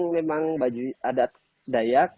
memang baju adat dayak